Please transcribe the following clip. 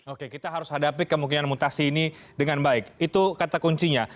oke kita harus hadapi kemungkinan mutasi ini dengan baik itu kata kuncinya